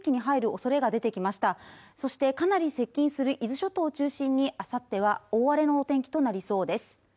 そしてかなり接近する伊豆諸島を中心にあさっては大荒れの天気となりそうです